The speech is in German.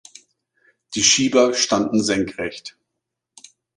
Die Schieber standen senkrecht.